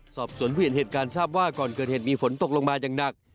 สอบสวนผู้เห็นเหตุการณ์ทราบว่าก่อนเกิดเหตุมีฝนตกลงมาอย่างหนัก